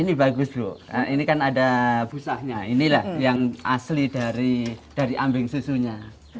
ini bagus loh ini kan ada busanya inilah yang asli dari ambing susunya